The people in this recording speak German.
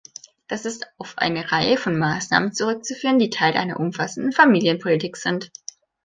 Das ist auf eine Reihe von Maßnahmen zurückzuführen, die Teil einer umfassenden Familienpolitik sind.